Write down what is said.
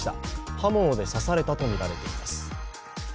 刃物で刺されたとみられます。